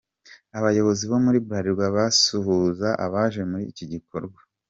Abayobozi bo muri Bralirwa basuhuza abaje muri iki gikorwa.